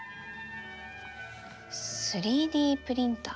３Ｄプリンター？